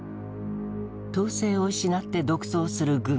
統制を失って独走する軍。